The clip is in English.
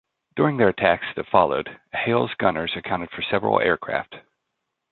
During the air attacks that followed, "Hale"'s gunners accounted for several aircraft.